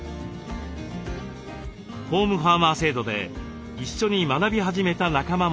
ホームファーマー制度で一緒に学び始めた仲間もいます。